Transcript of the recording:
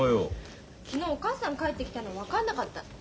昨日お母さん帰ってきたの分かんなかった。